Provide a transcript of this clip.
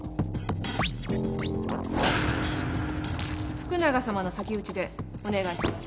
福永さまの先撃ちでお願いします。